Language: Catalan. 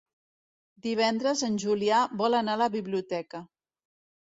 Divendres en Julià vol anar a la biblioteca.